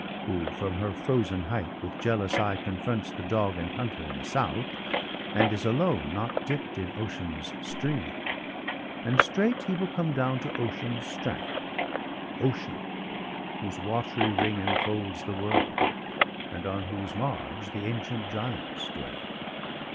Who from her frozen height with jealous eye Confronts the dog and hunter in the south. And is alone not dipt in Ocean's stream. And straight he will come down to Ocean's strand — Ocean, whose watery ring enfolds the world, BALDER DEAD. 143 And on whose marge the ancient giants dwell.